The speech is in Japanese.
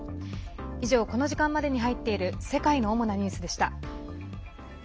以上、この時間までに入っている世界の主なニュースでした。